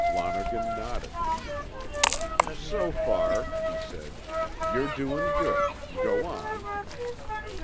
Lonergan nodded. "So far," he said, "you're doin' good go on."